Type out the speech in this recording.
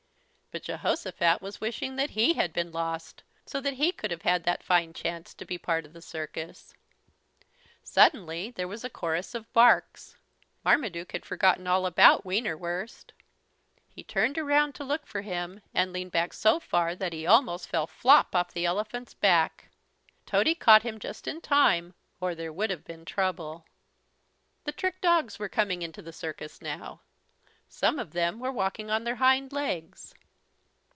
But Jehosophat was wishing that he had been lost, so that he could have had that fine chance to be part of the circus. Suddenly there was a chorus of barks. Marmaduke had forgotten all about Wienerwurst. He turned around to look for him and leaned back so far that he almost fell flop off the elephant's back. Tody caught him just in time or there would have been trouble. The trick dogs were coming into the circus now. Some of them were walking on their hind legs.